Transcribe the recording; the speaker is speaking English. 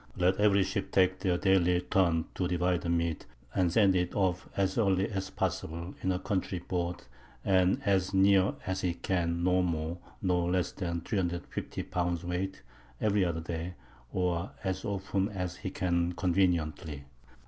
Let every Ship take their daily turn to divide the Meat, and send it off as early as possible, in a Country Boat, and as near at he can no more nor less than_ 350 lb _weight; every other Day, or as often as he can conveniently.